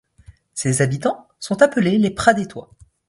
Ses habitants sont appelés les Pradettois.